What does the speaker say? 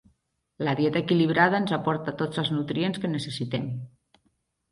La dieta equilibrada ens aporta tots els nutrients que necessitem.